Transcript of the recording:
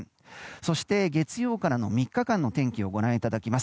そして、月曜からの３日間の天気ご覧いただきます。